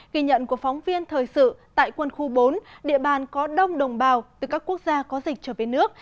ghi nhận của phóng viên thời sự tại quân khu bốn địa bàn có đông đồng bào từ các quốc gia có dịch trở về nước